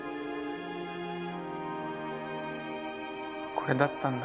これだったんだ。